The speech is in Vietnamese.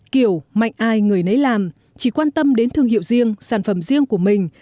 kiểu mạnh ai người nấy làm chỉ quan tâm đến thương hiệu riêng sản phẩm riêng của mình